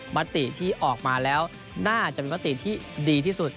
มติที่ออกมาแล้วน่าจะเป็นมติที่ดีที่สุด